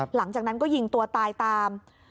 หลังจากนั้นก็ยิงตัวตายตาม